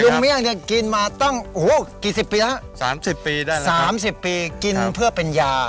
ลุงเมี่ยงเนี่ยกินมาต้องโอ้โหกี่สิบปีแล้วสามสิบปีได้แล้วครับสามสิบปีกินเพื่อเป็นยา